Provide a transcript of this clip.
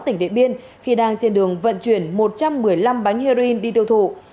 tỉnh điện biên khi đang trên đường vận chuyển một trăm một mươi năm bánh heroin đi tiêu thụ